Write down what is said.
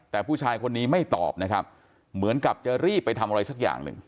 แต่ผู้ชายคนนี้ไม่ตอบนะครับเหมือนกับจะรีบไปทำอะไรสักอย่างหนึ่ง